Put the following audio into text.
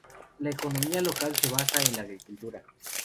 La economía local se basa en la agricultura.